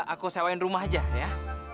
aku sewain rumah aja ya